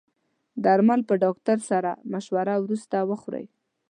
درمل په ډاکټر سره مشوره وروسته وخورئ.